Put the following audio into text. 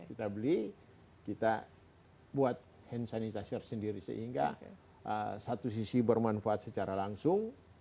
kita beli kita buat hand sanitizer sendiri sehingga satu sisi bermanfaat secara langsung